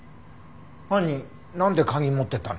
犯人なんで鍵持ってたの？